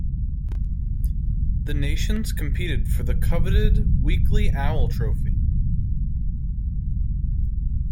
The Nations competed for the coveted weekly "Owl" trophy.